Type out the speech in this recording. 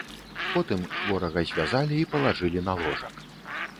Потым хворага звязалі і палажылі на ложак.